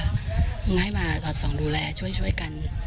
มึงให้มาสอดส่องดูแลช่วยกัน